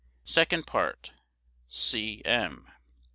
Second Part. C. M.